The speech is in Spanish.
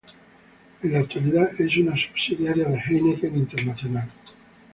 En la actualidad es una subsidiaria de Heineken International.